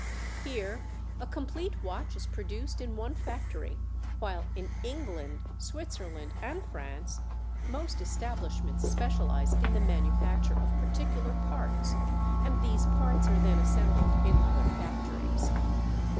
Here a complete watch is produced in one factory, while in England, Switzerland and France most establishments specialize in the manufacture of particular parts and these parts are then assembled in other factories.